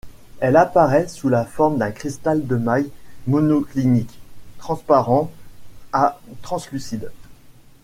Elle apparaît sous la forme d'un cristal de maille monoclinique, transparent à translucide.